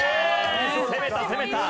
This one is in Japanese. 攻めた攻めた。